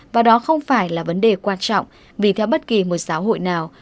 và đó không phải là vấn đề quan trọng vì theo bất kỳ một xã hội nào